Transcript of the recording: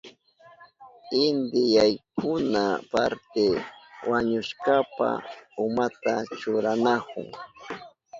Inti yaykuna parti wañushkapa umanta churanahun.